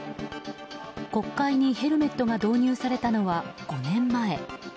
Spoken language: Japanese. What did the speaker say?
国会にヘルメットが導入されたのは５年前。